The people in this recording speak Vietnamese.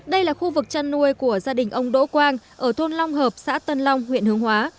đây là khu vực chăn nuôi của gia đình ông đỗ quang ở thôn long hợp xã tân long huyện hướng hóa